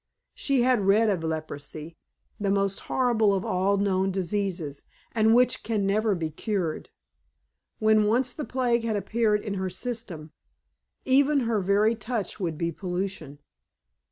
She had read of leprosy the most horrible of all known diseases, and which can never be cured. When once the plague had appeared in her system, even her very touch would be pollution.